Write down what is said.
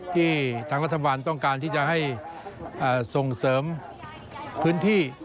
ที่ทางรัฐบาลต้องการที่จะให้ส่งเสริมพื้นที่